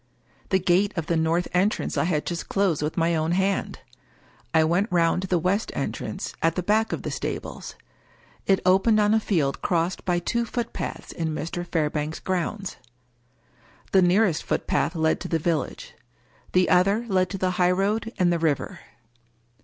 The gate of the north en trance I had just closed with my own hand. I went round to the west entrance, at the back of the stables. It opened on a field crossed by two footpaths in Mr. Fairbank's grounds. The nearest footpath led to the village. The other led to the highroad and the river.